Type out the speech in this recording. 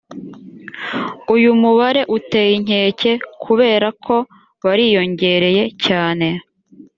uyu mubare uteye inkeke kubera ko bariyongereye cyane